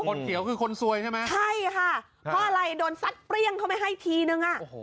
เขียวคือคนซวยใช่ไหมใช่ค่ะเพราะอะไรโดนซัดเปรี้ยงเข้าไปให้ทีนึงอ่ะ